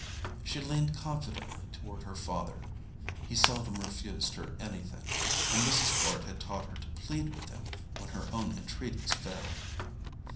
She leaned confidently toward her father: he seldom refused her anything, and Mrs. Bart had taught her to plead with him when her own entreaties failed.